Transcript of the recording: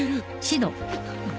あっ！